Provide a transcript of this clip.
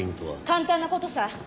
簡単なことさ。